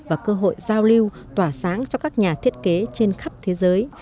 và cơ hội giao lưu tỏa sáng cho các nhà thiết kế trên khắp thế giới